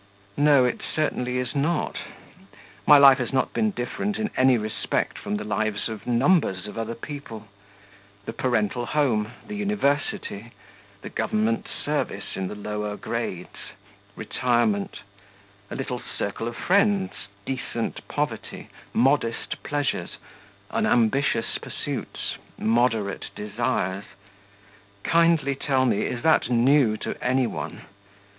No, it certainly is not.... My life has not been different in any respect from the lives of numbers of other people. The parental home, the university, the government service in the lower grades, retirement, a little circle of friends, decent poverty, modest pleasures, unambitious pursuits, moderate desires kindly tell me, is that new to any one?